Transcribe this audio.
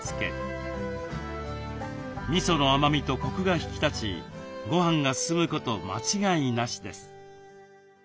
みその甘みとコクが引き立ちごはんが進むこと間違いなしです。